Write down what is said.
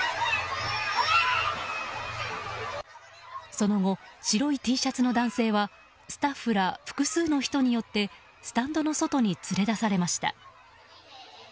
その後、白いＴシャツの男性はスタッフら複数の人によってスタンドの外に連れ出されました。